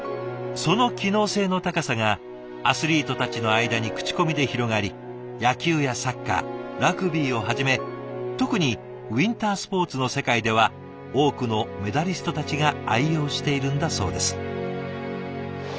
その機能性の高さがアスリートたちの間に口コミで広がり野球やサッカーラグビーをはじめ特にウインタースポーツの世界では多くのメダリストたちが愛用しているんだそうです。